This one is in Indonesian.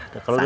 ya kalau itu